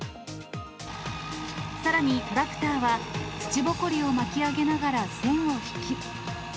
さらにトラクターは土ぼこりを巻き上げながら線を引き。